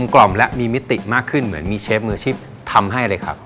กล่อมและมีมิติมากขึ้นเหมือนมีเชฟมือชีพทำให้เลยครับ